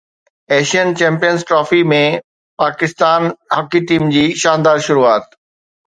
Asian Champions Trophy ۾ Pakistan hockey team جي شاندار شروعات